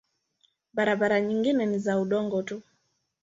Barabara nyingine ni za udongo tu.